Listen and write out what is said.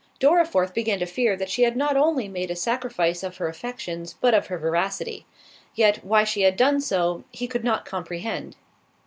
Dorriforth began to fear that she had not only made a sacrifice of her affections, but of her veracity; yet, why she had done so, he could not comprehend.